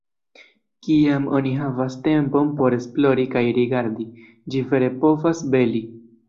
Kiam oni havas tempon por esplori kaj rigardi, ĝi vere povas beli.